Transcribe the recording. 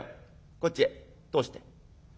こっちへ通して。